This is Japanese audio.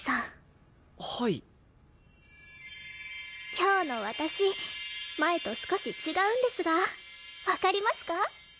今日の私前と少し違うんですがわかりますか？